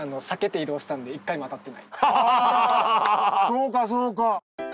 そうかそうか。